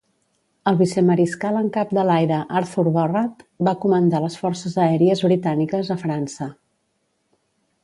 El Vicemarsical en Cap de l'Aire Arthur Barratt va comandar les forces aèries britàniques a França.